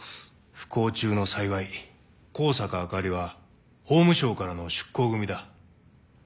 不幸中の幸い香坂朱里は法務省からの出向組だ。